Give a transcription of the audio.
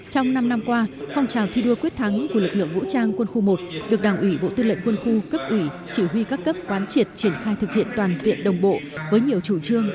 trong năm năm qua phong trào thi đua quyết thắng của lực lượng vũ trang quân khu một được đảng ủy bộ tư lệnh quân khu cấp ủy chỉ huy các cấp quán triệt triển khai thực hiện toàn diện đồng bộ